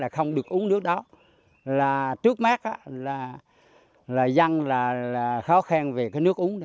không được uống nước đó trước mắt là dân khó khen về nước uống